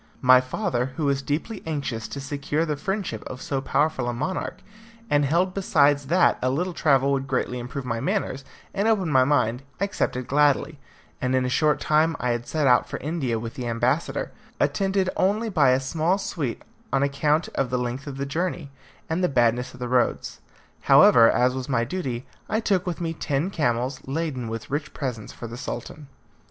My father, who was deeply anxious to secure the friendship of so powerful a monarch, and held besides that a little travel would greatly improve my manners and open my mind, accepted gladly, and in a short time I had set out for India with the ambassador, attended only by a small suite on account of the length of the journey, and the badness of the roads. However, as was my duty, I took with me ten camels, laden with rich presents for the Sultan.